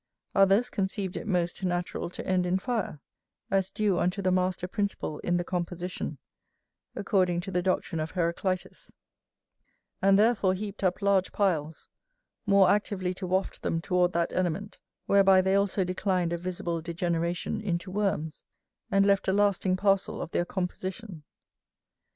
Others conceived it most natural to end in fire, as due unto the master principle in the composition, according to the doctrine of Heraclitus; and therefore heaped up large piles, more actively to waft them toward that element, whereby they also declined a visible degeneration into worms, and left a lasting parcel of their composition.